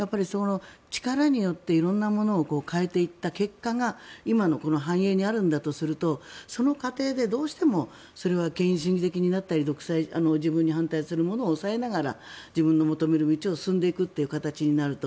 力によって色んなものを変えていった結果が今の繁栄にあるんだとするとその過程でどうしてもそれは権威主義的になったり自分に反対する者を抑えながら、自分の求める道を進んでいく形になると。